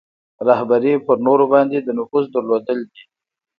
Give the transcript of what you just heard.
رهبري په نورو باندې د نفوذ درلودل دي.